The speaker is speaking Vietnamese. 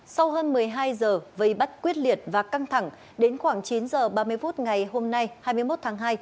sau hơn một mươi hai giờ vây bắt quyết liệt và căng thẳng đến khoảng chín h ba mươi phút ngày hôm nay hai mươi một tháng hai